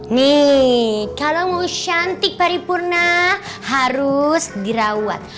nih kalau mau cantik paripurna harus dirawat